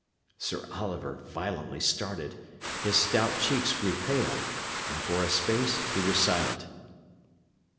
Sir Oliver violently started; his stout cheeks grew pale, and for a space he was silent.